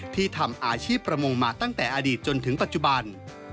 ที่ทำอาชีพประมงมาตั้งแต่อดีตจนถึงปัจจุบัน